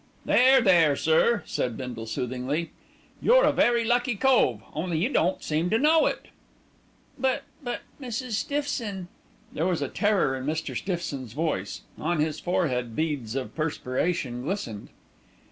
"There, there, sir," said Bindle soothingly, "you're a very lucky cove, only you don't seem to know it." "But but Mrs. Stiffson " There was terror in Mr. Stiffson's voice. On his forehead beads of perspiration glistened.